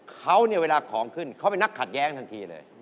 เขาเนี่ยเวลาของขึ้นเขาเป็นนักขัดแย้งทันทีเลย